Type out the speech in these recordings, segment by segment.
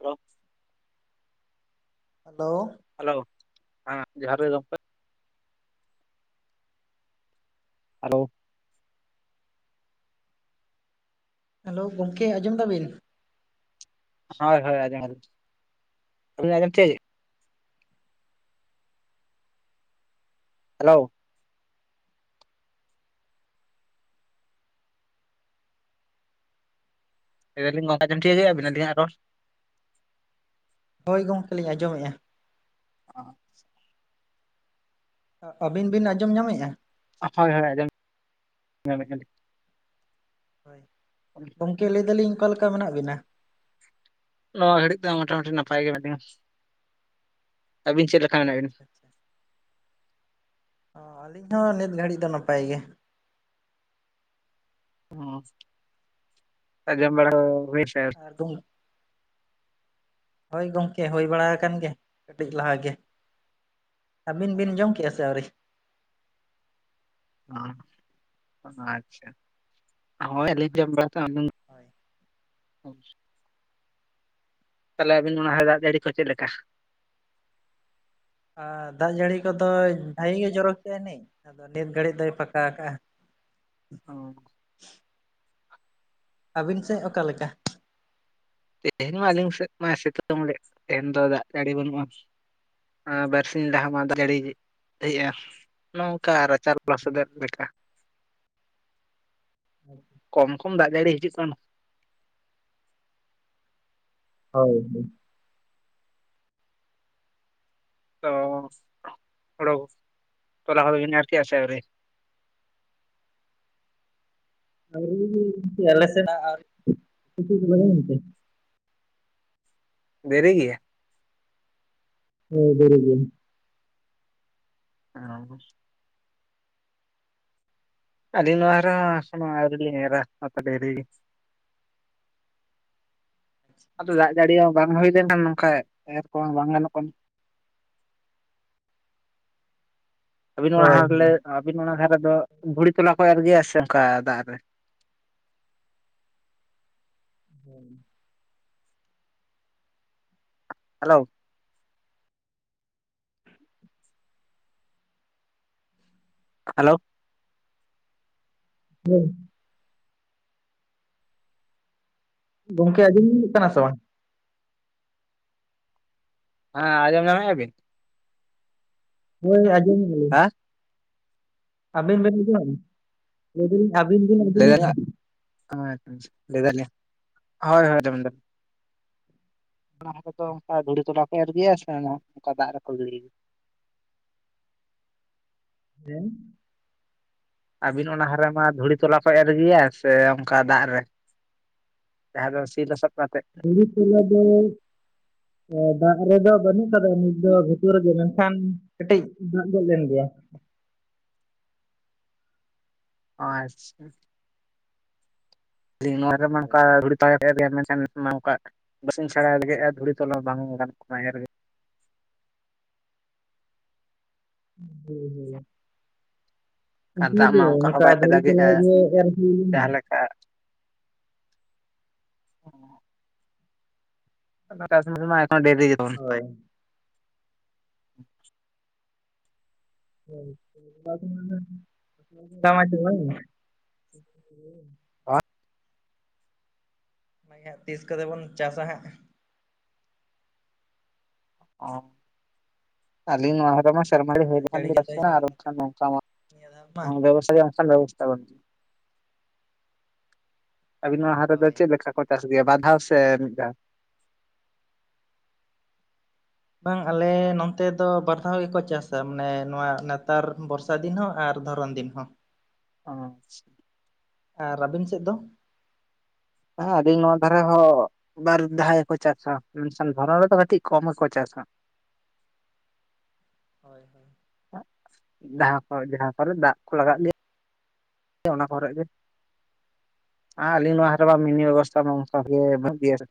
Hello hello. Hello ᱦᱮᱸ ᱡᱚᱦᱟᱨ ᱜᱮ ᱜᱚᱢᱠᱮ᱾ ᱦᱮᱞᱳᱣ᱾ ᱦᱮᱞᱳᱣ‌ ᱜᱚᱢᱠᱮ ᱟᱧᱡᱚᱢ ᱫᱟ ᱵᱤᱱ᱾ ᱦᱚᱭ ᱦᱚᱭ ᱟᱧᱡᱚᱢᱮᱜ-ᱟ [unintelligible] ᱦᱮᱞᱳᱣ᱾ ᱞᱟᱹᱭ ᱫᱟᱞᱤᱧ ᱜᱚᱝᱠᱮ‌ ᱟᱧᱡᱚᱢ‌ ᱴᱷᱤᱠᱟᱹ ᱠᱮᱭᱟ ᱵᱤᱱ ᱟᱹᱞᱤᱧᱟᱜ ᱨᱚᱲ? ᱦᱳᱭ ᱜᱚᱝᱠᱮ ᱞᱤᱧ ᱟᱸᱡᱚᱢᱮᱜ-ᱟ᱾ [unintelligible] ᱚ ᱟᱹᱵᱤᱱ ᱵᱤᱱ ᱟᱸᱡᱚᱢ ᱧᱟᱢᱮᱜ-ᱟ? ᱦᱚᱭ ᱦᱚᱭ ᱟᱧᱡᱚᱢ‌ ᱧᱟᱢᱮᱜ-ᱟ ᱞᱤᱧ ᱾ ᱦᱚᱭ ᱟᱹᱞᱤᱧ ᱜᱚᱝᱠᱮ ᱞᱟᱹᱭ ᱫᱟᱞᱤᱧ ᱚᱠᱟ ᱞᱮᱠᱟ ᱢᱮᱱᱟᱜ ᱵᱤᱱᱟ? ᱱᱚᱣᱟ ᱜᱷᱟᱹᱲᱤᱡ ᱫᱚ ᱢᱚᱴᱟᱼᱢᱩᱴᱤ ᱱᱟᱯᱟᱭ ᱜᱮ ᱢᱮᱱᱟᱜ ᱞᱤᱧᱟ ᱟᱹᱵᱤᱱ ᱪᱮᱜ ᱞᱮᱠ? ᱟᱪᱪᱷᱟ ᱟᱪᱪᱷᱟ᱾ ᱚ ᱟᱞᱤᱧ ᱦᱚᱸ ᱱᱤᱛ ᱜᱷᱟᱹᱲᱤᱡ ᱫᱚ ᱱᱟᱯᱟᱭ ᱜᱮ᱾ ᱚᱻᱸ ᱟᱡᱚᱢ ᱵᱟᱲᱟ‌ ᱠᱚ ᱦᱩᱭᱮᱱ ᱥᱮ ᱟᱹᱣᱨᱤ? ᱟᱨ ᱫᱩᱢᱩᱜᱼᱼ ᱦᱳᱭ ᱜᱚᱝᱠᱮ ᱦᱳᱭ ᱵᱟᱲᱟ ᱟᱠᱟᱱ ᱜᱮ ᱠᱟᱹᱴᱤᱡ ᱞᱟᱦᱟ ᱜᱮ᱾ ᱟᱵᱤᱱ ᱵᱤᱱ ᱡᱚᱢ ᱠᱮᱜ-ᱟ ᱥᱮ ᱟᱹᱣᱨᱤ? ᱚ ᱦᱚᱭ ᱟᱪᱪᱷᱟ ᱦᱚᱭ ᱟᱹᱞᱤᱧ‌ ᱡᱚᱢ ᱵᱟᱲᱟ ᱦᱳᱭ [unintelligible] ᱛᱟᱦᱚᱞᱮ ᱟᱹᱵᱤᱱ ᱚᱱᱟ ᱦᱚᱭ ᱫᱟᱜ ᱡᱟᱹᱲᱤ ᱠᱚ ᱪᱮᱫ ᱞᱮᱠᱟ? ᱟᱨ ᱫᱟᱜ ᱡᱟᱹᱲᱤ ᱠᱚᱫᱚᱭ ᱵᱷᱟᱜᱤ ᱜᱮ ᱡᱚᱨᱚ ᱠᱮᱜ-ᱟᱭ ᱟᱹᱱᱤᱡ ᱟᱫᱚ ᱱᱤᱛ ᱜᱷᱟᱹᱲᱤᱡ ᱫᱚᱭ ᱯᱷᱟᱠᱟ ᱠᱟᱜ-ᱟ᱾ ᱚ ᱟᱵᱤᱱ ᱥᱮᱜ ᱚᱠᱟ ᱞᱮᱠᱟ? ᱛᱮᱦᱮᱧ ᱢᱟ ᱟᱹᱞᱤᱧ ᱥᱮᱫ ᱢᱟᱭ ᱥᱤᱛᱩᱝ ᱞᱮᱫ‌ ᱛᱮᱦᱮᱧ ᱫᱚ ᱫᱟᱜ ᱡᱟᱹᱲᱤ ᱵᱟᱹᱱᱩᱜ-ᱟ᱾ ᱟᱸᱻ ᱵᱟᱨᱥᱤᱧ ᱞᱟᱦᱟ ᱢᱟ ᱫᱟᱜ ᱡᱟᱹᱲᱤ ᱛᱟᱹᱦᱤᱡᱮ ᱱᱚᱝᱠᱟ ᱨᱟᱪᱟ ᱞᱚᱥᱚᱫᱚᱜ ᱞᱮᱠᱟ᱾ ᱠᱚᱢ ᱠᱚᱢ ᱫᱟᱜ ᱡᱟᱲᱤ ᱦᱤᱡᱩᱜ [unintelligible] ᱦᱚᱭ ᱜᱮ᱾ [unintelligible] ᱦᱳᱲᱳ, ᱛᱚᱞᱟ ᱦᱳᱲᱳ ᱵᱤᱱ ᱮᱨ ᱠᱮᱼᱟ ᱥᱮ ᱟᱣᱨᱤ? ᱟᱣᱨᱤ ᱜᱤ ᱟᱞᱮᱥᱮᱱᱟᱜ ᱟᱨ [unintelligible] ᱫᱮᱨᱤ ᱜᱮᱭᱟ ᱦᱮ ᱫᱮᱨᱤ ᱜᱮᱭᱟ [unintelligible] ᱟᱞᱤᱧ ᱱᱚᱣᱟ ᱫᱷᱟᱨᱮ ᱦᱚ ᱮᱠᱷᱮᱱᱚ ᱟᱣᱨᱤᱞᱤᱧ ᱮᱨᱟ [unintelligible] ᱰᱮᱨᱤ ᱜᱮ ᱟᱫᱚ ᱫᱟᱜ ᱡᱟᱹᱲᱤ ᱦᱚᱸ ᱵᱟᱝ ᱦᱩᱭ ᱞᱮᱱᱠᱷᱟᱱ ᱱᱚᱝᱠᱟ ᱮᱨ ᱠᱚᱦᱚᱸ ᱵᱟᱝ ᱜᱟᱱᱚᱜ ᱠᱟᱱᱟ ᱟᱹᱵᱤᱱ ᱚᱱᱟ ᱦᱳᱭ ᱦᱚᱨ ᱞᱮ, ᱟᱵᱤᱱ ᱚᱱᱟ ᱫᱷᱟᱨᱮ ᱫᱚ ᱵᱷᱩᱲᱤ ᱛᱚᱞᱟ ᱠᱚ ᱮᱨ ᱜᱮᱭᱟ ᱥᱮ ᱚᱱᱠᱟ ᱫᱟᱜ ᱨᱮ? [unintelligible] ᱦᱮᱞᱳ ᱦᱟᱞᱳ ᱦᱮᱸ ᱜᱚᱝᱠᱮ ᱟᱸᱡᱚᱢ [unintelligible] ᱠᱟᱱᱟ ᱥᱮ ᱵᱟᱝ? ᱦᱮᱸ ᱟᱸᱡᱚᱢ ᱧᱟᱢᱞᱮᱫᱟ ᱵᱤᱱ? ᱦᱳᱭ ᱟᱡᱚᱢᱮᱫ ᱟᱞᱤᱧ ᱦᱮᱸ ᱟᱵᱤᱱ ᱵᱮᱱ ᱟᱸᱡᱚᱢᱮᱫᱟ, ᱞᱮᱭᱫᱟᱹᱞᱤᱧ ᱟᱹᱵᱤᱱ ᱵᱤᱱ ᱟᱸᱡᱚᱢᱟ? ᱟᱪ ᱞᱟᱹᱭ ᱫᱟᱞᱤ ᱦᱳᱭ ᱦᱳᱭ [unintelligible] ᱚᱱᱟ [unintelligible] ᱨᱮ ᱫᱚ ᱚᱱᱠᱟ ᱫᱷᱩᱲᱤ ᱛᱚᱞᱟ ᱠᱚ ᱮᱨ ᱜᱮᱭᱟ ᱥᱮ ᱚᱱᱠᱟ ᱫᱟᱜ ᱨᱮᱠᱚ ᱜᱤᱲᱤ? ᱦᱮᱸ ᱟᱹᱵᱤᱱ ᱚᱱᱟ ᱦᱟᱨᱮ ᱢᱟ ᱫᱷᱩᱲᱤ ᱛᱚᱞᱟ ᱠᱚ ᱮᱨ ᱜᱮᱭᱟ ᱥᱮ ᱚᱱᱠᱟ ᱫᱟᱜ ᱨᱮ? ᱡᱟᱦᱟᱸ ᱫᱚ ᱥᱤ ᱞᱚᱥᱚᱫ ᱠᱟᱛᱮ? [unintelligible] ᱦᱮ ᱫᱟᱜ ᱨᱮᱫᱚ ᱵᱟᱹᱱᱩᱜ ᱠᱟᱫᱟ ᱱᱤᱛ ᱫᱚ ᱜᱷᱩᱴᱩ ᱨᱮᱜᱮ ᱢᱮᱱᱠᱷᱟᱱ ᱠᱟᱹᱴᱤᱡ ᱫᱟᱜ ᱜᱚᱫ ᱞᱮᱱ ᱜᱮᱭᱟ ᱚ ᱟᱪᱪ [unintelligible] ᱚᱱᱟ ᱫᱷᱟᱨᱮ ᱢᱟ ᱚᱱᱠᱟ ᱫᱷᱩᱲᱤ [unintelligible] ᱢᱮᱱᱠᱷᱟᱱ ᱢᱟ ᱚᱱᱠᱟ [unintelligible] ᱫᱷᱩᱲᱤ ᱛᱚᱞ ᱢᱟ ᱵᱟᱝ ᱜᱟᱱᱚᱜ ᱠᱟᱱᱟ ᱮᱨ ᱜᱮ [unintelligible] ᱟᱨ ᱚᱱᱠᱟ ᱫᱟᱜ ᱜᱮ ᱢᱟ ᱦᱚᱸ ᱱᱚᱝᱠᱟ ᱵᱟᱭ ᱫᱷᱩᱲᱤ ᱛᱚᱞᱟ ᱫᱟᱜᱮᱜᱼᱟ ᱨᱮᱜᱮ ᱮᱨ ᱦᱩᱭ ᱞᱮᱱᱟ ᱡᱟᱦᱟᱸ ᱞᱮᱠᱟ [inaudible] ᱢᱟ [unintelligible] ᱠᱷᱚᱱ ᱰᱮᱨᱤ ᱜᱮᱛᱟᱵᱚᱱ ᱦᱳᱭ [unintelligible] [unintelligible] ᱚᱱᱟ ᱜᱮ ᱦᱟᱸᱜ ᱛᱤᱥ ᱠᱚᱛᱮ ᱵᱚᱱ ᱪᱟᱥᱟ ᱦᱟᱸᱜ ᱚ ᱟᱞᱤᱧ ᱱᱚᱣᱟ ᱨᱮᱢᱟ ᱥᱮᱨᱢᱟ ᱨᱮ ᱦᱳᱭ ᱫᱟᱜ ᱞᱮᱱᱠᱷᱟᱱ ᱡᱟᱹᱲᱤ ᱜᱮ ᱠᱟᱛᱮ ᱪᱟᱵᱟ ᱠᱟᱛᱮ ᱱᱤᱭᱟᱹ ᱫᱷᱟᱣ ᱢᱟ [unintelligible] ᱚ ᱟᱵᱤᱱᱟᱜ ᱦᱟᱴ ᱨᱮᱫᱚ ᱦᱳᱭ ᱪᱮᱫ ᱞᱮᱠᱟ? ᱠᱚ ᱪᱟᱥ ᱜᱮᱭᱟ ᱵᱟᱨᱫᱷᱟᱣ ᱥᱮ ᱢᱤᱫ ᱫᱷᱟᱣ? ᱵᱟᱝ ᱟᱞᱮ ᱱᱚᱱᱛᱮ ᱫᱚ ᱵᱟᱨ ᱫᱷᱟᱣ ᱜᱮᱠᱚ ᱪᱟᱥᱟ ᱢᱟᱱᱮ ᱱᱚᱣᱟ ᱱᱮᱛᱟᱨ ᱵᱚᱨᱥ ᱥᱟ ᱫᱤᱱ ᱦᱚᱸ ᱟᱨ ᱫᱷᱚᱨᱚᱱ ᱫᱤᱱ ᱦᱚᱸ᱾ ᱟᱪᱪᱷᱟ᱾ ᱟᱨ ᱟᱵᱤᱱ ᱥᱮᱫ ᱫᱚ? ᱦᱮᱸ ᱟᱞᱤᱧ ᱱᱚᱣᱟ ᱫᱷᱟᱨᱮ ᱦᱚᱸ᱾ ᱵᱟᱨ ᱫᱷᱟᱣ ᱜᱮᱠᱚ ᱪᱟᱥᱟ ᱢᱮᱱᱠᱷᱟᱱ ᱫᱷᱚᱨᱚᱱ ᱨᱮᱫᱚ ᱠᱟᱹᱴᱤᱡ ᱠᱚᱢ ᱜᱮᱠᱚ ᱪᱟᱥᱟ᱾ ᱦᱳᱭ ᱦᱳᱭ᱾ ᱡᱟᱦᱟᱸ ᱠᱚ ᱡᱟᱦᱟᱸ ᱠᱚᱨᱮ ᱫᱟᱜ ᱠᱚ ᱞᱟᱜᱟᱜ ᱩᱱ ᱜᱮᱭᱟ᱾ ᱚᱱᱟ ᱠᱚᱨᱮᱜ ᱜᱮ ᱟᱨ ᱟᱞᱤᱧ ᱱᱚᱣᱟ ᱦᱳᱭ ᱫᱷᱟᱨᱮ ᱢᱟ ᱢᱤᱱᱤ ᱦᱳᱭ ᱵᱮᱵᱚᱥ [unintelligible] ᱜᱮ [unintelligible]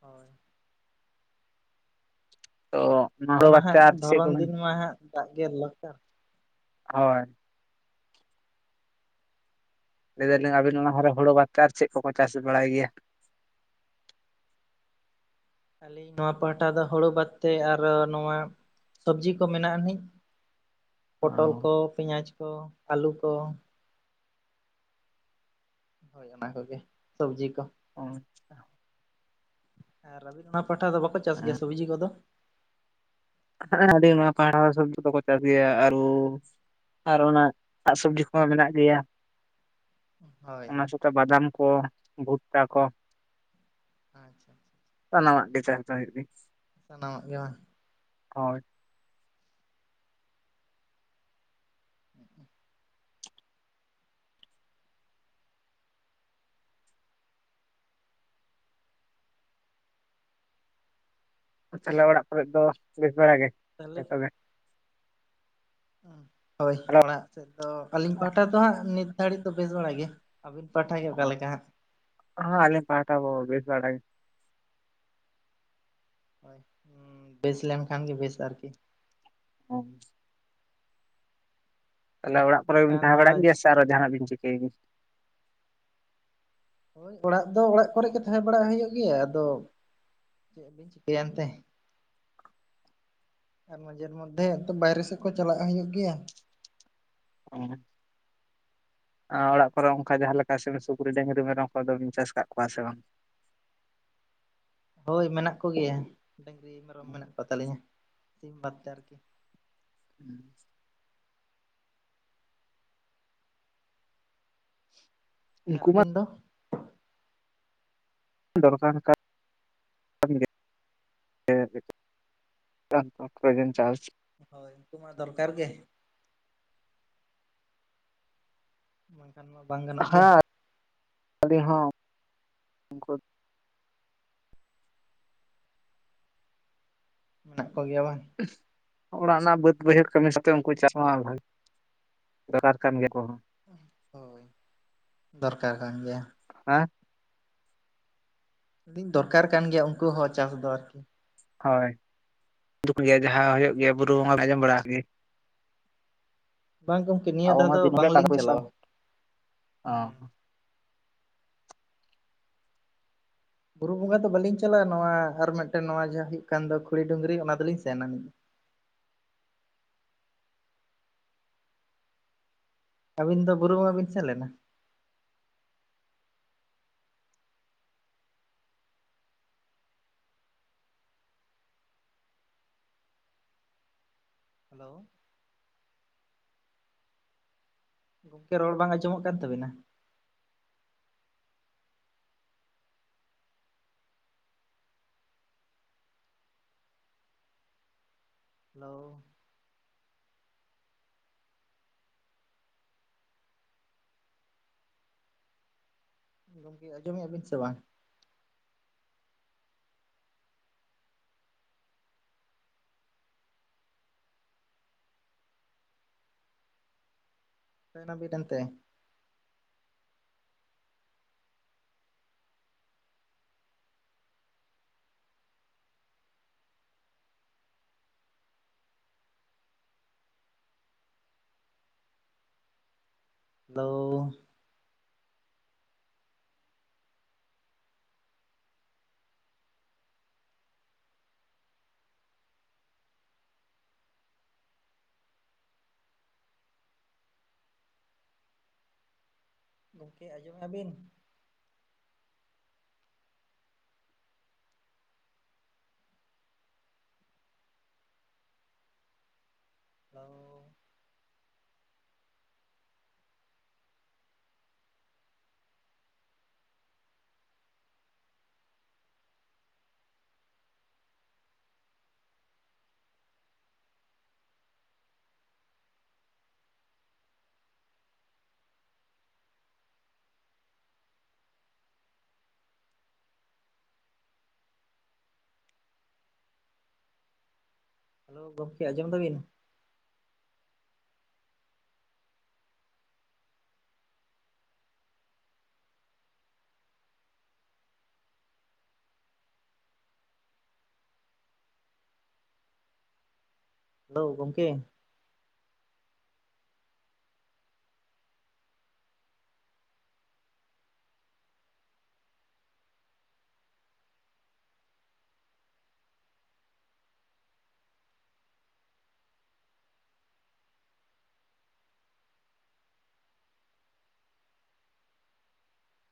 ᱦᱳᱭ᱾ ᱚᱻ᱾ ᱟᱫᱚ ᱱᱟᱦᱟᱜ ᱫᱷᱚᱨᱚᱱ ᱫᱤᱱ ᱢᱟ ᱦᱟᱸᱜ ᱫᱟᱜ ᱜᱮ ᱫᱚᱨᱠᱟᱨ᱾ ᱦᱚᱭ᱾ ᱞᱟᱹᱭ ᱫᱟᱞᱤᱧ ᱟᱹᱵᱤᱱ ᱚᱱᱟ ᱫᱷᱟᱨᱮ ᱦᱳᱲᱳ ᱵᱟᱛ ᱛᱮ ᱟᱨ ᱪᱮᱫ ᱠᱚᱠᱚ ᱪᱟᱥ ᱵᱟᱲᱟᱭ ᱜᱮᱭᱟ? ᱟᱹᱞᱤᱧ ᱱᱚᱣᱟ ᱯᱟᱦᱴᱟ ᱫᱚ ᱦᱳᱲᱳ ᱵᱟᱫ ᱛᱮ ᱟᱨᱚ ᱱᱚᱣᱟ ᱥᱚᱵᱽᱡᱤ ᱠᱚ ᱢᱮᱱᱟᱜ ᱟᱹᱱᱤᱡ, ᱯᱚᱴᱚᱞ ᱠᱚ, ᱯᱮᱧᱟᱪ ᱠᱚ ᱟᱞᱩ ᱠᱚ᱾ ᱦᱳᱭ ᱚᱱᱟ ᱠᱚᱜᱮ ᱥᱚᱵᱽᱡᱤ ᱠᱚ᱾ ᱚ ᱟᱪᱪᱷᱟ᱾ ᱦᱮᱸ ᱟᱨ ᱟᱵᱤᱱ ᱚᱱᱟ ᱯᱟᱦᱴᱟ ᱫᱚ ᱵᱟᱠᱚ ᱪᱟᱥ ᱜᱮᱭᱟ ᱥᱚᱵᱽᱡᱤ ᱠᱚᱫᱚ? ᱟᱞᱤᱧ ᱱᱚᱣᱟ ᱯᱟᱦᱴᱟ ᱫᱚ ᱥᱚᱵᱽᱡᱤ ᱠᱚᱠᱚ ᱪᱟᱥ ᱜᱮᱭᱟ ᱟᱨᱩ ᱟᱨ ᱚᱱᱟ [unintelligible] ᱥᱚᱵᱽᱡᱤ ᱠᱚᱦᱚᱸ ᱢᱮᱱᱟᱜ ᱜᱮᱭᱟ᱾ ᱦᱳᱭ ᱚᱱᱟ ᱥᱟᱛᱮ ᱵᱟᱫᱟᱢ ᱠᱚ ᱵᱷᱩᱴᱴᱟ ᱠᱚ᱾ ᱟᱪᱪᱷᱟ ᱪᱷᱟ᱾ ᱥᱟᱱᱟᱢᱟᱜ ᱜᱮ ᱪᱟᱥ ᱫᱚ ᱦᱩᱭᱩᱜ ᱜᱮᱭᱟ᱾ ᱥᱟᱱᱟᱢᱟᱜ ᱜᱮ ᱵᱟᱝ? ᱦᱳᱭ᱾ [inaudible] ᱛᱟᱦᱚᱞᱮ ᱚᱲᱟᱜ ᱠᱚᱨᱮᱱ ᱫᱚ ᱵᱮᱥ ᱵᱟᱲᱟ ᱜᱮ ᱛᱟᱦᱚᱞᱮ ᱡᱷᱛᱚ ᱜᱮ? ᱦᱳᱭ, ᱚᱲᱟᱜ ᱥᱮᱫ ᱫᱚ ᱟᱹᱞᱤᱧ ᱯᱟᱦᱴᱟ ᱫᱚ ᱦᱟᱸᱜ ᱱᱤᱛ ᱫᱷᱟᱹᱲᱤᱡ ᱫᱚ ᱵᱮᱥ ᱵᱟᱲᱟ ᱜᱮ᱾ ᱟᱹᱵᱤᱱ ᱯᱟᱦᱴᱷᱟᱜᱮ ᱚᱠᱟᱞᱮᱠᱟ ᱦᱟᱸᱜ? ᱦᱚᱸ, ᱟᱞᱤᱧ ᱯᱟᱦᱟᱴᱟ ᱦᱚᱸ ᱵᱮᱥ ᱵᱟᱲᱟ ᱜᱮ᱾ ᱦᱳᱭ, ᱵᱮᱥ ᱞᱮᱱᱠᱷᱟᱱ ᱜᱮ ᱵᱮᱥ ᱟᱨᱠᱤ᱾ [unintelligible] ᱛᱟᱦᱚᱞᱮ ᱚᱲᱟᱜ ᱠᱚᱨᱮ ᱜᱮᱵᱤᱱ ᱵᱟᱠᱷᱟᱱ ᱛᱟᱦᱮᱸ ᱵᱟᱲᱟ ᱱᱚᱣᱟ ᱜᱮᱭᱟ ᱥᱮ ᱟᱨᱚ ᱡᱟᱦᱟᱱᱟᱜ ᱵᱤᱱ ᱪᱤᱠᱟᱹᱭ ᱜᱮᱭᱟ? ᱦᱳᱭ, ᱚᱲᱟᱜ ᱫᱚ ᱚᱲᱟᱜ ᱠᱚᱨᱮ ᱜᱮ ᱛᱟᱦᱮᱸ ᱵᱟᱲᱟ ᱦᱳᱭᱳᱜ ᱜᱮᱭᱟ ᱟᱫᱚ ᱪᱮᱜ ᱵᱤᱱ ᱪᱤᱠᱟᱹᱭᱟ ᱮᱱᱛᱮ᱾ ᱟᱨ ᱢᱟᱡᱷᱮᱨ ᱢᱚᱫᱽᱫᱷᱮ ᱮᱠᱴᱟ ᱵᱟᱭᱨᱮ ᱥᱮᱜ ᱠᱚ ᱪᱟᱞᱟᱜ ᱦᱩᱭᱩᱜ ᱜᱮᱭᱟ᱾ ᱚᱸᱻ᱾ ᱚᱲᱟᱜ ᱠᱚᱨᱮ, ᱚᱱᱠᱟ ᱡᱟᱦᱟᱸ ᱞᱮᱠᱟ ᱥᱤᱢ ᱥᱩᱠᱨᱤ ᱰᱟᱺᱝᱨᱤ ᱢᱮᱨᱚᱢ ᱠᱚ ᱫᱚᱵᱤᱱ ᱪᱟᱥ ᱠᱟᱜ ᱠᱚᱣᱟ ᱥᱮ ᱵᱟᱝ? ᱦᱳᱭ, ᱢᱮᱱᱟᱜ ᱠᱚᱜᱮᱭᱟ ᱰᱟᱝᱨᱤ ᱢᱮᱨᱚᱢ ᱢᱮᱱᱟᱜ ᱠᱚ ᱛᱟᱞᱤᱧᱟ ᱥᱤᱢ ᱵᱟᱫ ᱛᱮ ᱟᱨᱠᱤ᱾ [inaudible] ᱦᱮᱸ ᱟᱨ ᱩᱱᱠᱩ ᱢᱟ ᱟᱹᱵᱤᱱ ᱫᱚ? ᱫᱚᱨᱠᱟᱨ ᱠᱟᱱ [inaudible] ᱠᱟᱱ ᱜᱮᱭᱟ [inaudible] [unintelligible] ᱪᱟᱥ ᱦᱳᱭ ᱩᱱᱠᱩ ᱢᱟ ᱫᱚᱨᱠᱟᱨ ᱜᱮ ᱾ ᱵᱟᱝᱠᱷᱟᱱ ᱢᱟ ᱵᱟᱝ ᱜᱟᱱᱚᱜ ᱜᱮᱭᱟ᱾ ᱦᱮᱸ [unintelligible] ᱦᱚᱸ ᱩᱱᱠᱩ ᱢᱮᱱᱟᱜ ᱠᱚ ᱜᱮᱭᱟ ᱵᱟᱝ? ᱚᱲᱟᱜ ᱨᱮᱱᱟᱜ ᱵᱟᱹᱫ ᱵᱟᱹᱭᱦᱟᱹᱲ ᱠᱟᱹᱢᱤ ᱥᱟᱶᱛᱮ ᱩᱱᱠᱩ ᱪᱟᱥ ᱢᱟ ᱵᱷᱟ ᱫᱚᱨᱠᱟᱨ ᱠᱟᱱ ᱜᱮᱭᱟ ᱠᱚᱦᱚᱸ᱾ ᱦᱳᱭ, ᱫᱚᱨᱠᱟᱨ ᱠᱟᱱ ᱜᱮᱭᱟ᱾ ᱟᱸ ᱟᱞᱤᱧ ᱫᱚᱨᱠᱟᱨ ᱠᱟᱱ ᱜᱮᱭᱟ ᱩᱱᱠᱩ ᱦᱚᱸ ᱪᱟᱥ ᱫᱚ ᱟᱨᱠᱤ᱾ ᱦᱚᱭ, [unintelligible] ᱡᱟᱸᱦᱟ ᱦᱩᱭᱩᱜ ᱜᱮᱭᱟ ᱵᱩᱨᱩ ᱵᱚᱸᱜᱟ ᱟᱸᱡᱚᱢ ᱵᱟᱲᱟᱣ ᱠᱟᱜ ᱜᱮᱭᱟ? ᱵᱟᱝ ᱜᱚᱢᱠᱮ ᱱᱤᱭᱟᱹ ᱟᱵᱚ ᱫᱷᱟᱣ ᱢᱟ ᱫᱚ ᱫᱤᱱ ᱜᱮ ᱴᱟᱠᱟ ᱵᱟᱝᱞᱤᱧ ᱯᱩᱭᱥᱟᱹ ᱪᱟᱞᱟᱣᱟ ᱚᱸ ᱦᱩᱸ ᱵᱩᱨᱩ ᱵᱚᱸᱜᱟ ᱫᱚ ᱵᱟᱹᱞᱤᱧ ᱪᱟᱞᱟᱣᱟ, ᱱᱚᱣᱟ ᱟᱨ ᱢᱤᱫᱴᱮᱱ ᱱᱚᱣᱟ ᱡᱟᱦᱟᱸ ᱦᱩᱭᱩᱜ ᱠᱟᱱ ᱫᱚ ᱠᱷᱩᱲᱤ ᱰᱩᱝᱨᱤ ᱚᱱᱟ ᱫᱚᱞᱤᱧ ᱥᱮᱱ ᱟᱱᱤᱡᱼᱟ᱾ ᱟᱹᱵᱤᱱ ᱫᱚ ᱵᱩᱨᱩ ᱵᱚᱸᱜᱟ ᱵᱤᱱ ᱥᱮᱱ ᱞᱮᱱᱟ? ᱦᱮᱞᱳᱣ ᱾ ᱜᱚᱝᱠᱮ, ᱨᱚᱲ ᱵᱟᱝ ᱟᱸᱡᱚᱢᱚᱜ ᱠᱟᱱ ᱛᱟᱵᱤᱱᱟ᱾ ᱦᱮᱞᱳᱣ ᱾ ᱜᱚᱝᱠᱮ ᱟᱸᱡᱚᱢᱮᱜᱼᱟ ᱵᱤᱱ ᱥᱮ ᱵᱟᱝ? ᱚᱱᱮ ᱚᱱᱟ ᱵᱤᱫᱟᱱ ᱛᱮ᱾ ᱦᱮᱞᱳᱣ ᱾ ᱜᱚᱝᱠᱮ ᱟᱸᱡᱚᱢᱮᱜᱼᱟ ᱵᱤᱱ? ᱦᱮᱞᱳᱣ᱾ ᱦᱮᱞᱳ ᱜᱚᱝᱠᱮ ᱟᱡᱚᱢ ᱫᱟᱵᱤᱱ? ᱦᱮᱞᱳᱣ ᱜᱚᱝᱠᱮ᱾